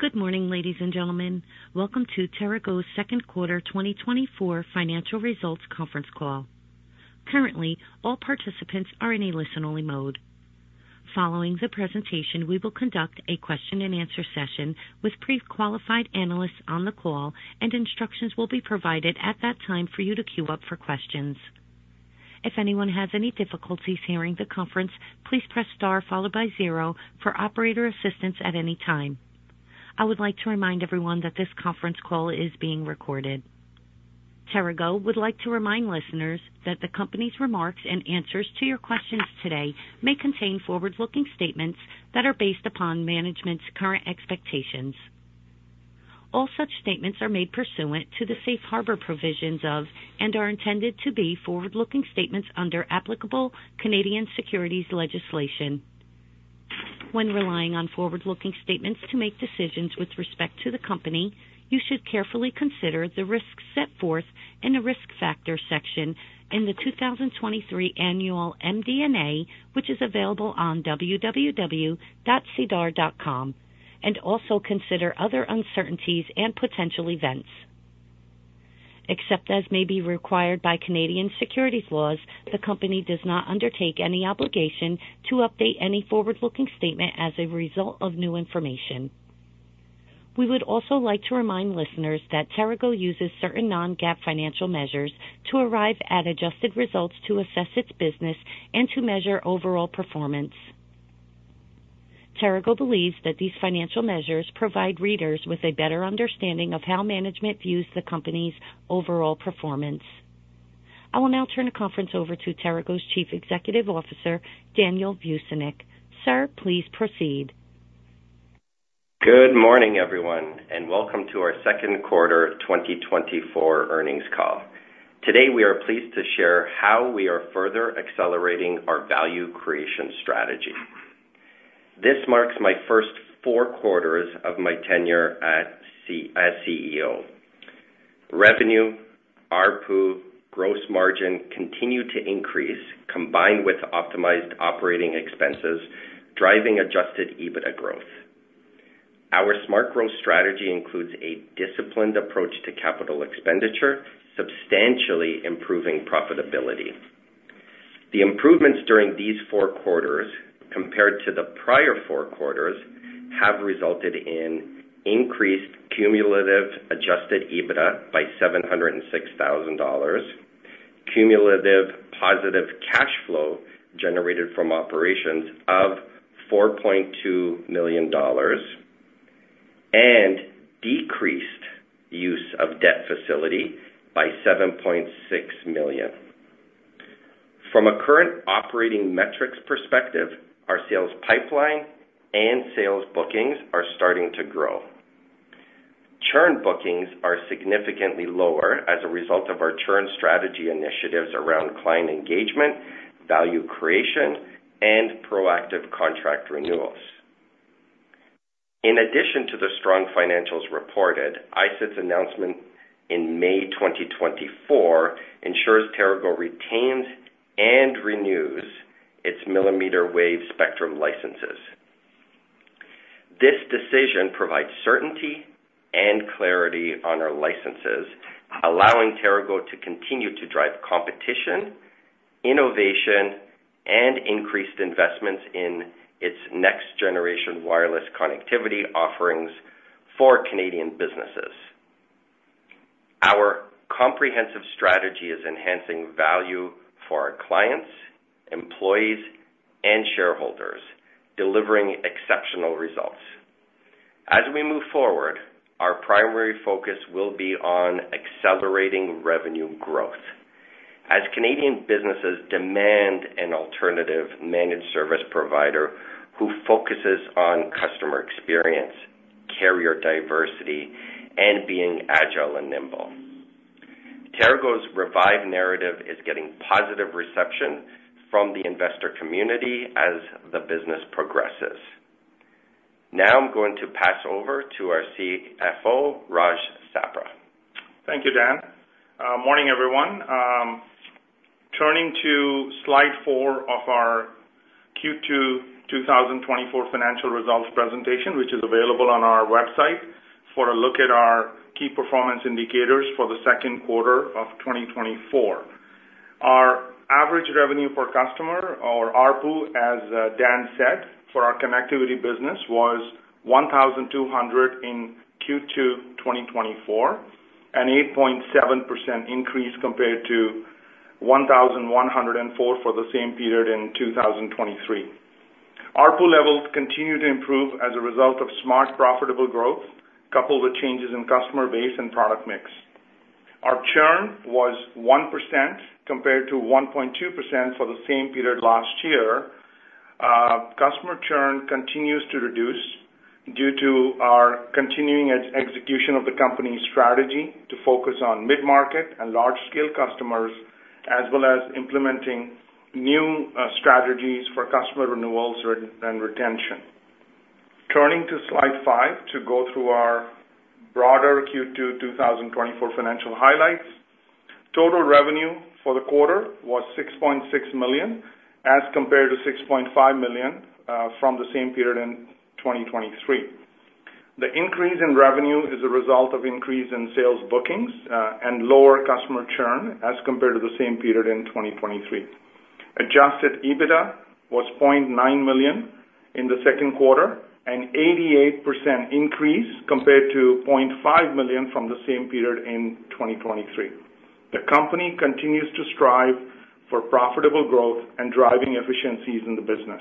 Good morning, ladies and gentlemen. Welcome to TeraGo's second quarter 2024 financial results conference call. Currently, all participants are in a listen-only mode. Following the presentation, we will conduct a question and answer session with pre-qualified analysts on the call, and instructions will be provided at that time for you to queue up for questions. If anyone has any difficulties hearing the conference, please press star followed by zero for operator assistance at any time. I would like to remind everyone that this conference call is being recorded. TeraGo would like to remind listeners that the company's remarks and answers to your questions today may contain forward-looking statements that are based upon management's current expectations. All such statements are made pursuant to the safe harbor provisions of, and are intended to be, forward-looking statements under applicable Canadian securities legislation. When relying on forward-looking statements to make decisions with respect to the company, you should carefully consider the risks set forth in the Risk Factors section in the 2023 annual MD&A, which is available on www.sedar.com, and also consider other uncertainties and potential events. Except as may be required by Canadian securities laws, the company does not undertake any obligation to update any forward-looking statement as a result of new information. We would also like to remind listeners that TeraGo uses certain non-GAAP financial measures to arrive at adjusted results to assess its business and to measure overall performance. TeraGo believes that these financial measures provide readers with a better understanding of how management views the company's overall performance. I will now turn the conference over to TeraGo's Chief Executive Officer, Daniel Vucinic. Sir, please proceed. Good morning, everyone, and welcome to our second quarter 2024 earnings call. Today, we are pleased to share how we are further accelerating our value creation strategy. This marks my first four quarters of my tenure at TeraGo as CEO. Revenue, ARPU, gross margin continued to increase, combined with optimized operating expenses, driving Adjusted EBITDA growth. Our smart growth strategy includes a disciplined approach to capital expenditure, substantially improving profitability. The improvements during these four quarters, compared to the prior four quarters, have resulted in increased cumulative Adjusted EBITDA by 706 thousand dollars, cumulative positive cash flow generated from operations of 4.2 million dollars, and decreased use of debt facility by 7.6 million. From a current operating metrics perspective, our sales pipeline and sales bookings are starting to grow. Churn bookings are significantly lower as a result of our churn strategy initiatives around client engagement, value creation, and proactive contract renewals. In addition to the strong financials reported, ISED's announcement in May 2024 ensures TeraGo retains and renews its millimeter wave spectrum licenses. This decision provides certainty and clarity on our licenses, allowing TeraGo to continue to drive competition, innovation, and increased investments in its next-generation wireless connectivity offerings for Canadian businesses. Our comprehensive strategy is enhancing value for our clients, employees, and shareholders, delivering exceptional results. As we move forward, our primary focus will be on accelerating revenue growth as Canadian businesses demand an alternative managed service provider who focuses on customer experience, carrier diversity, and being agile and nimble. TeraGo's revived narrative is getting positive reception from the investor community as the business progresses. Now I'm going to pass over to our CFO, Raj Sapra. Thank you, Dan. Morning, everyone. Turning to slide 4 of our Q2 2024 financial results presentation, which is available on our website, for a look at our key performance indicators for the second quarter of 2024. Our average revenue per customer, or ARPU, as Dan said, for our connectivity business, was 1,200 in Q2 2024, an 8.7% increase compared to 1,104 for the same period in 2023. ARPU levels continue to improve as a result of smart, profitable growth, coupled with changes in customer base and product mix. Our churn was 1%, compared to 1.2% for the same period last year. Customer churn continues to reduce due to our continuing execution of the company's strategy to focus on mid-market and large-scale customers, as well as implementing new strategies for customer renewals and retention. Turning to slide five to go through our Quarter Q2 2024 financial highlights. Total revenue for the quarter was 6.6 million, as compared to 6.5 million from the same period in 2023. The increase in revenue is a result of increase in sales bookings and lower customer churn as compared to the same period in 2023. Adjusted EBITDA was 0.9 million in the second quarter, an 88% increase compared to 0.5 million from the same period in 2023. The company continues to strive for profitable growth and driving efficiencies in the business.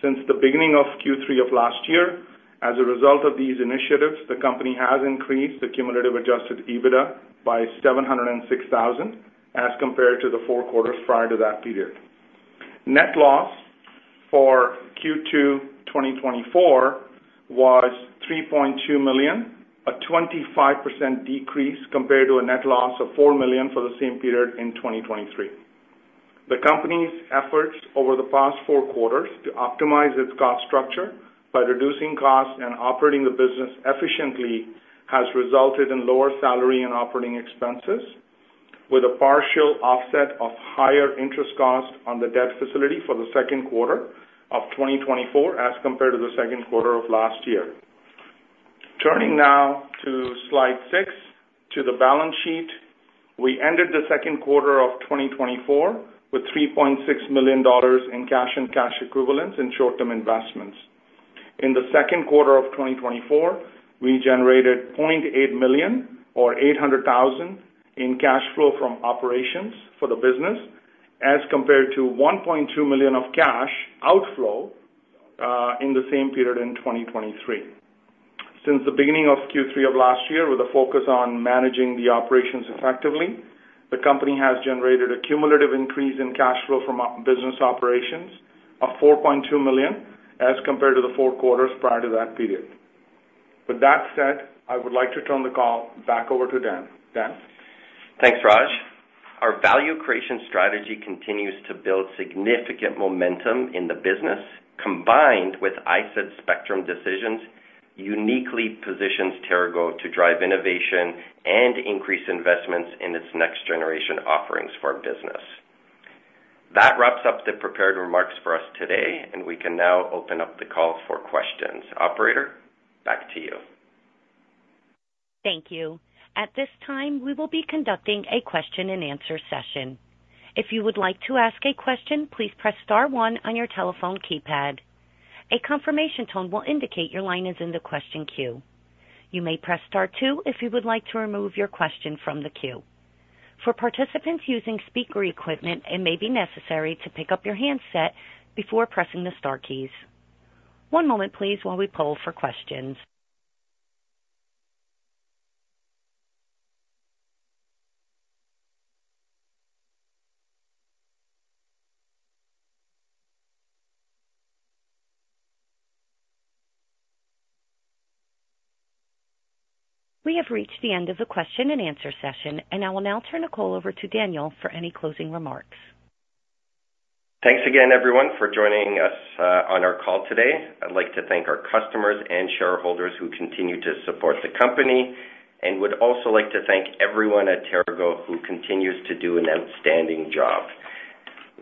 Since the beginning of Q3 of last year, as a result of these initiatives, the company has increased the cumulative Adjusted EBITDA by 706 thousand, as compared to the four quarters prior to that period. Net loss for Q2 2024 was 3.2 million, a 25% decrease compared to a net loss of 4 million for the same period in 2023. The company's efforts over the past four quarters to optimize its cost structure by reducing costs and operating the business efficiently, has resulted in lower salary and operating expenses, with a partial offset of higher interest costs on the debt facility for the second quarter of 2024, as compared to the second quarter of last year. Turning now to slide six, to the balance sheet. We ended the second quarter of 2024 with 3.6 million dollars in cash and cash equivalents in short-term investments. In the second quarter of 2024, we generated 0.8 million, or 800,000, in cash flow from operations for the business, as compared to 1.2 million of cash outflow in the same period in 2023. Since the beginning of Q3 of last year, with a focus on managing the operations effectively, the company has generated a cumulative increase in cash flow from business operations of 4.2 million, as compared to the four quarters prior to that period. With that said, I would like to turn the call back over to Dan. Dan? Thanks, Raj. Our value creation strategy continues to build significant momentum in the business, combined with ISED Spectrum decisions, uniquely positions TeraGo to drive innovation and increase investments in its next generation offerings for our business. That wraps up the prepared remarks for us today, and we can now open up the call for questions. Operator, back to you. Thank you. At this time, we will be conducting a question-and-answer session. If you would like to ask a question, please press star one on your telephone keypad. A confirmation tone will indicate your line is in the question queue. You may press star two if you would like to remove your question from the queue. For participants using speaker equipment, it may be necessary to pick up your handset before pressing the star keys. One moment please, while we poll for questions. We have reached the end of the question-and-answer session, and I will now turn the call over to Daniel for any closing remarks. Thanks again, everyone, for joining us on our call today. I'd like to thank our customers and shareholders who continue to support the company, and would also like to thank everyone at TeraGo who continues to do an outstanding job.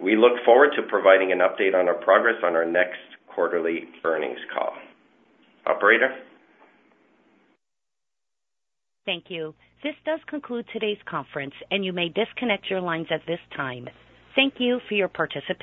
We look forward to providing an update on our progress on our next quarterly earnings call. Operator? Thank you. This does conclude today's conference, and you may disconnect your lines at this time. Thank you for your participation.